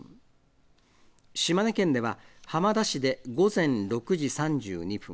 島根県では、浜田市で午前６時３２分。